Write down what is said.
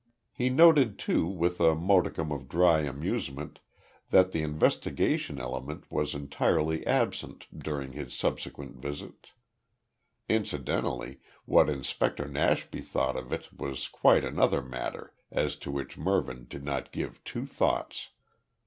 He noted too with a modicum of dry amusement that the "investigation" element was entirely absent during his subsequent visits. Incidentally, what Inspector Nashby thought of it was quite another matter, as to which Mervyn did not give two thoughts.